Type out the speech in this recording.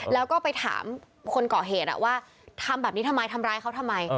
แล้วก็ไปถามคนก่อเหตุว่าทำแบบนี้ทำไมทำร้ายเขาทำไม